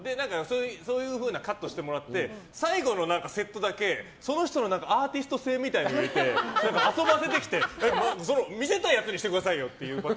そういうふうなカットしてもらって最後のセットだけその人のアーティスト性みたいなのを入れて、遊ばせてきて見せたやつにしてくださいよって。